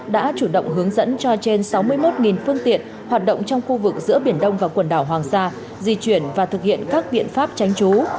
đã chủ động hướng dẫn cho trên sáu mươi một phương tiện hoạt động trong khu vực giữa biển đông và quần đảo hoàng sa di chuyển và thực hiện các biện pháp tránh trú